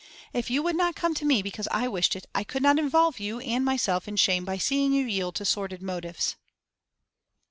If you would not come to me because I wished it, I could not involve you and myself in shame by seeing you yield to sordid motives.